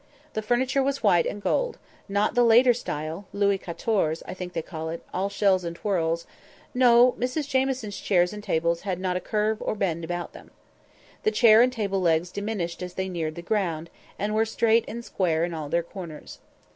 The furniture was white and gold; not the later style, Louis Quatorze, I think they call it, all shells and twirls; no, Mrs Jamieson's chairs and tables had not a curve or bend about them. The chair and table legs diminished as they neared the ground, and were straight and square in all their corners.